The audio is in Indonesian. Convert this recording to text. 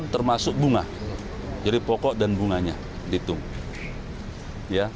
termasuk bunga jadi pokok dan bunganya dihitung